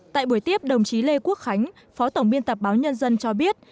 tại buổi tiếp đồng chí lê quốc khánh phó tổng biên tập báo nhân dân cho biết